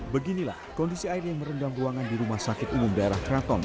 beginilah kondisi air yang merendam ruangan di rumah sakit umum daerah kraton